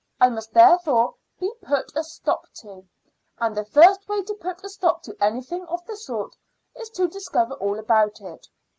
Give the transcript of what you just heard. It must therefore be put a stop to, and the first way to put a stop to anything of the sort is to discover all about it.